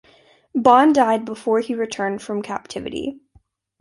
Bonne died before he returned from captivity.